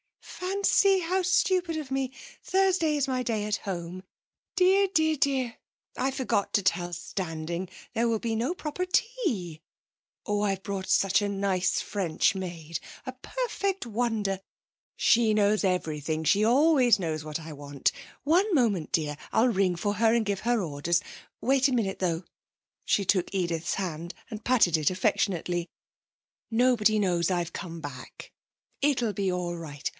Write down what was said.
'Fancy! How stupid of me! Thursday is my day at home. Dear, dear, dear. I forgot to tell Standing; there will be no proper tea. Oh, I've brought such a nice French maid a perfect wonder. She knows everything. She always knows what I want. One moment, dear; I'll ring for her and give her orders. Wait a minute, though.' She took Edith's hand and patted it affectionately. 'Nobody knows I've come back; it'll be all right.